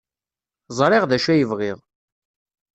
Ẓriɣ d acu ay bɣiɣ.